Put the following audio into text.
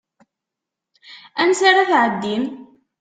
Ansa ara tɛeddim?